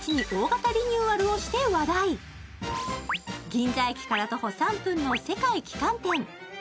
銀座駅から徒歩３分の世界旗艦店。